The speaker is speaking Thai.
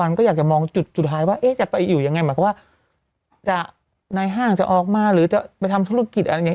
เราก็จะไปทำธุรกิจอะไรแบบเนี้ย